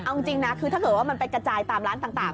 เอาจริงนะคือถ้าเกิดว่ามันไปกระจายตามร้านต่าง